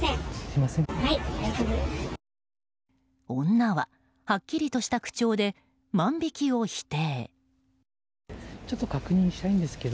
女は、はっきりとした口調で万引きを否定。